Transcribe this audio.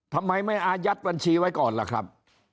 ทำไมไม่อายัดบัญชีไว้ก่อนล่ะครับ